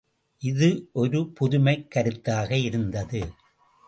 இது ஒரு புதுமைக் கருத்தாக இருந்தது.